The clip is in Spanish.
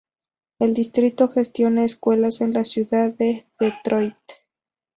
El distrito gestiona escuelas en la Ciudad de Detroit.